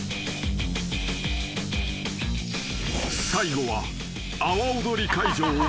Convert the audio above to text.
［最後は］